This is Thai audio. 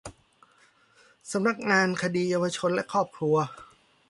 สำนักงานคดีเยาวชนและครอบครัว